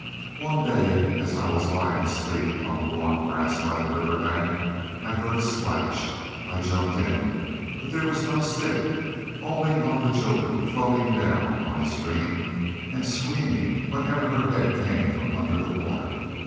One day, as I was lying asleep on the warm grass by the river bank, I heard a splash. I jumped in, but there was no stick, only one of the children floating down on the stream, and screaming whenever her head came from under the water.